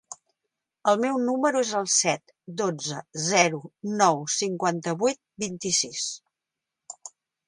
El meu número es el set, dotze, zero, nou, cinquanta-vuit, vint-i-sis.